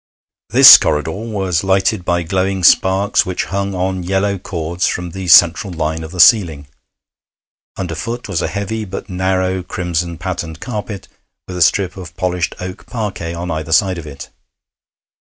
This corridor was lighted by glowing sparks, which hung on yellow cords from the central line of the ceiling; underfoot was a heavy but narrow crimson patterned carpet with a strip of polished oak parquet on either side of it.